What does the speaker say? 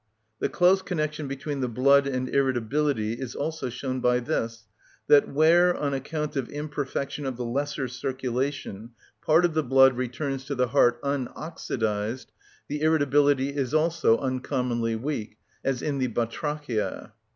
The close connection between the blood and irritability is also shown by this, that where, on account of imperfection of the lesser circulation, part of the blood returns to the heart unoxidised, the irritability is also uncommonly weak, as in the batrachia.